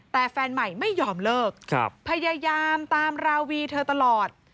แต่แฟนใหม่ไม่ยอมเลิกพยายามตามราวีเธอตลอด